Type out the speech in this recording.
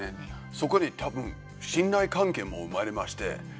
そこに多分信頼関係も生まれまして